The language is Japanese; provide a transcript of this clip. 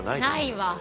ないわ！